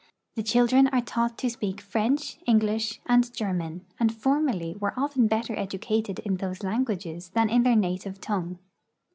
The children are taught to speak French, English, and German and formerl}' were often better educated in those languages than in their native tongue.